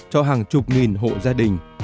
cho hàng chục nghìn hộ gia đình